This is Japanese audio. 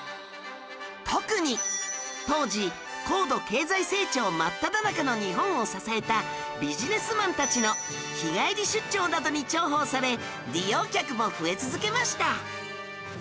特に当時高度経済成長真っただ中の日本を支えたビジネスマンたちの日帰り出張などに重宝され利用客も増え続けました